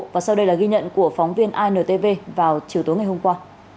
và sau đây là ghi nhận của phóng viên intv vào chiều tối ngày hôm qua